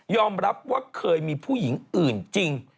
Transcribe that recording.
รับว่าเคยมีผู้หญิงอื่นจริง